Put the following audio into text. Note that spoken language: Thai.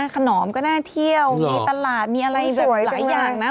ขนอมก็น่าเที่ยวมีตลาดมีอะไรแบบหลายอย่างนะ